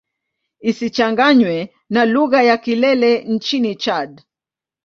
Isichanganywe na lugha ya Kilele nchini Chad.